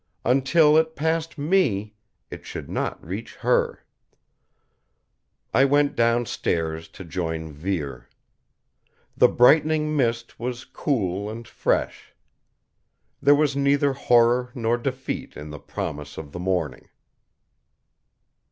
Until It passed me, It should not reach her. I went downstairs to join Vere. The brightening mist was cool and fresh. There was neither horror nor defeat in the promise of the morning.